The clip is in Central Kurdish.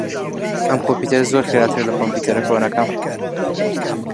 ئەم کۆمپیوتەرە زۆر خێراترە لە کۆمپیوتەرە کۆنەکەم.